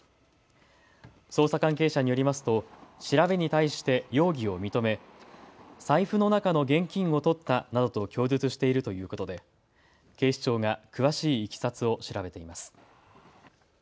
捜査関係者によりますと調べに対して容疑を認め財布の中の現金を取ったなどと供述しているということで警視庁が詳しいいきさつを調べています。